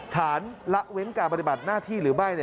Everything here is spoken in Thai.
ละเว้นการปฏิบัติหน้าที่หรือไม่